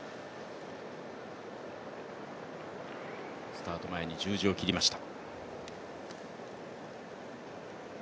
スタート前に十字を切りました。